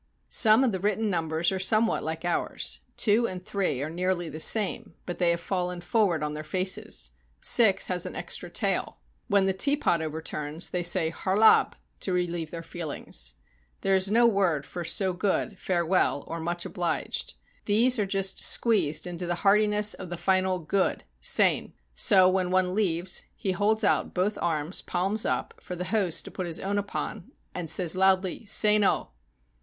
Some of the written numbers are somewhat like ours : 2 and 3 are nearly the same, but they have fallen forward on their faces; 6 has an extra tail. When the teapot over turns, they say " Harlab /" to relieve their feelings. There is no word for "so good," "farewell, "or "much obliged." These are just squeezed into the heartiness of the final "good" {sein). So when one leaves, he holds out both arms, palms up, for the host to put his own upon, and says loudly, "Sein oh!"